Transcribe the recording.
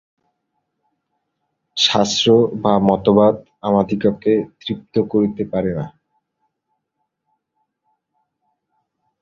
শাস্ত্র বা মতবাদ আমাদিগকে তৃপ্ত করিতে পারে না।